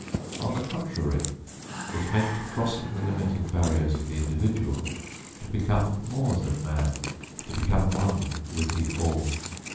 On the contrary, it meant crossing the limiting barriers of the individual, to become more than man, to become one with the All.